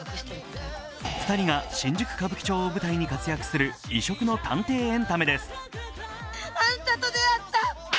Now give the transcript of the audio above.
２人が新宿・歌舞伎町を舞台に活躍する異色の探偵エンタメです。